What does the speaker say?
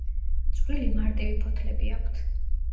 წვრილი მარტივი ფოთლები აქვთ.